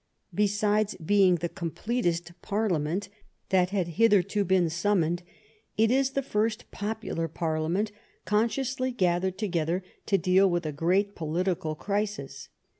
Besides being the completest Parliament that had hitherto been summoned, it is the first popular Parliament consciously gathered together to deal with a great poli tical crisis.